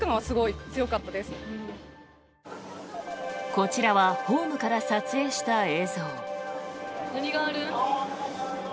こちらはホームから撮影した映像。